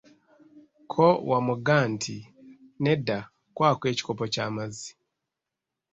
Kko Wamugga nti, "nedda kwako ekikopo kyamazzi."